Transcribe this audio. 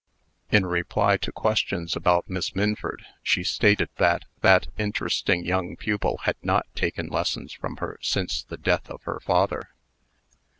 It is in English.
In reply to questions about Miss Minford, she stated that that interesting young pupil had not taken lessons from her since the death of her father.